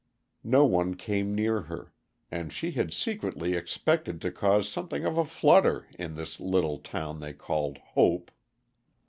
No one came near her and she had secretly expected to cause something of a flutter in this little town they called Hope.